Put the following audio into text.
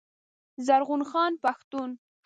زرغون خان پښتون